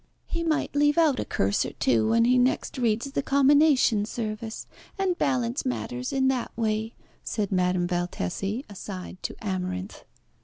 "He might leave out a curse or two when he next reads the Commination Service, and balance matters in that way," said Madame Valtesi, aside to Amarinth.